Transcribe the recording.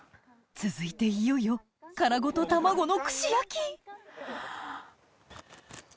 続いていよいよ殻ごと卵の串焼き！